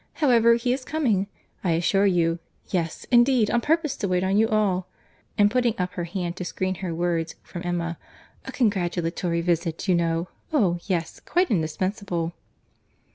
—However, he is coming, I assure you: yes, indeed, on purpose to wait on you all." And putting up her hand to screen her words from Emma—"A congratulatory visit, you know.—Oh! yes, quite indispensable."